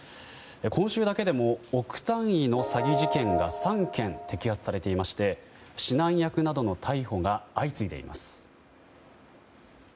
今週だけでも億単位の詐欺事件が３件摘発されていまして指南役などの逮捕が相次いでいます。